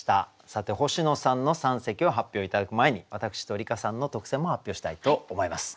さて星野さんの三席を発表頂く前に私と梨香さんの特選も発表したいと思います。